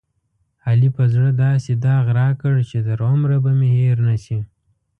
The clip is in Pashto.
علي په زړه داسې داغ راکړ، چې تر عمره به مې هېر نشي.